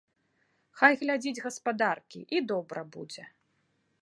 Хай глядзіць гаспадаркі, і добра будзе.